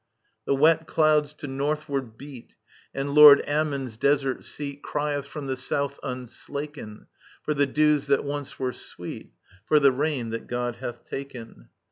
The wet clouds to Northward beat ; And Lord Ammon's desert seat Crieth Arom the South, unslaken. For the dews that once were sweet. For the rain that God hath taken.